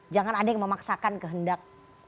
jangan ada yang memaksakan kehendak